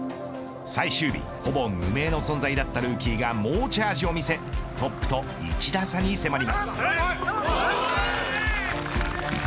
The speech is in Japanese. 最終日、ほぼ無名の存在だったルーキーが猛チャージを見せトップと１打差に迫ります。